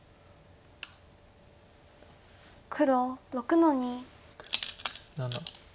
黒６の二。